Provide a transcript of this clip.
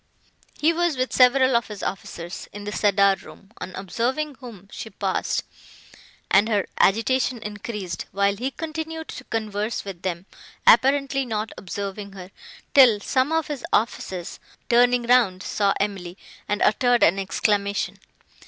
He was with several of his officers, in the cedar room; on observing whom she paused; and her agitation increased, while he continued to converse with them, apparently not observing her, till some of his officers, turning round, saw Emily, and uttered an exclamation.